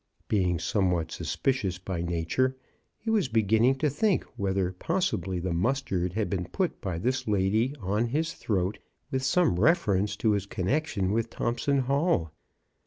Being somewhat suspicious by nature, he was beginning to think whether pos sibly the mustard had been put by this lady on his throat with some reference to his con nection with Thompson Hall.